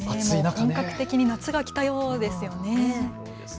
本格的に夏が来たようですね。